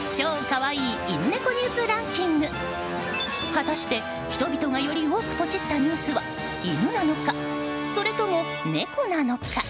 果たして、人々がより多くポチったニュースは犬なのか、それとも猫なのか。